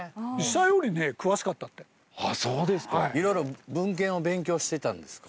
あそうですか。いろいろ文献を勉強してたんですか？